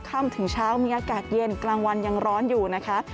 ค่ำถึงเช้ามีอากาศเย็นกลางวันยังร้อนอยู่นะคะ